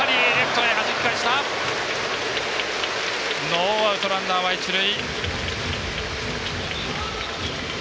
ノーアウトランナーは一塁。